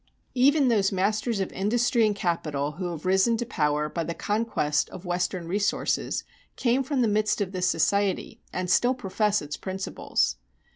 Even those masters of industry and capital who have risen to power by the conquest of Western resources came from the midst of this society and still profess its principles.